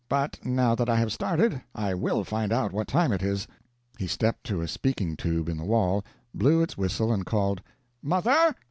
But now that I have started, I will find out what time it is." He stepped to a speaking tube in the wall, blew its whistle, and called, "Mother!"